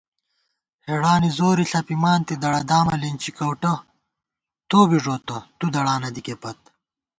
ہېڑانی زورے ݪَپِمانتی دڑہ دامہ لِنچی کؤٹہ توبی ݫوتہ تُو دڑانہ دِکےپت